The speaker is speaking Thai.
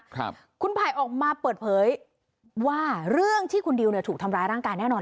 ครับคุณไผ่ออกมาเปิดเผยว่าเรื่องที่คุณดิวเนี่ยถูกทำร้ายร่างกายแน่นอน